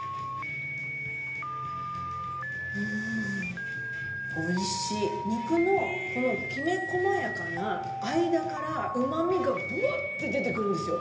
うんおいしい肉のこのきめ細やかな間からうまみがブワッて出てくるんですよ